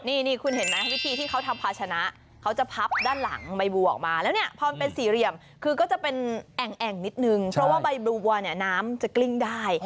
นี่คุณเห็นไหมวิธีที่เขาทำภาชนะเขาจะพับด้านหลังใบบัวออกมาแล้วเนี่ยพอมันเป็นสี่เหลี่ยมคือก็จะเป็นแอ่งนิดนึงเพราะว่าใบบัวเนี่ยน้ำจะกลิ้งได้